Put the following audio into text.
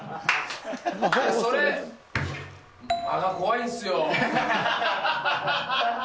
それ、間が怖いんですよ。